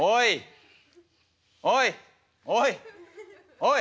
おい！